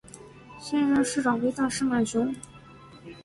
现任市长为大石满雄。